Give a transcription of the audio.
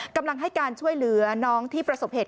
กำลังให้การช่วยเหลือน้องที่ประสบเหตุ